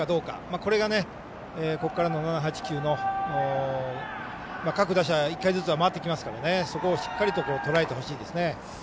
これが、ここからの７、８、９の各打者１回ずつ回ってきますからそこをしっかりととらえてほしいです。